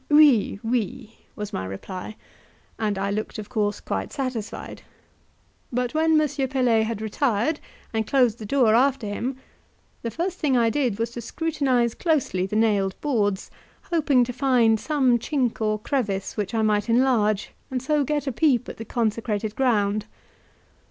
"Oui, oui," was my reply, and I looked of course quite satisfied; but when M. Pelet had retired and closed the door after him, the first thing I did was to scrutinize closely the nailed boards, hoping to find some chink or crevice which I might enlarge, and so get a peep at the consecrated ground.